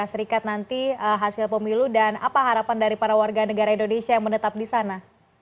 serikat nanti hasil pemilu dan apa harapan dari para warga negara indonesia yang menetap di sana